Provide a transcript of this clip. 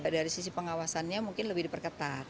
dari sisi pengawasannya mungkin lebih diperketat